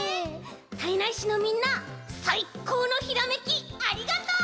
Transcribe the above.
胎内市のみんなさいこうのひらめきありがとう！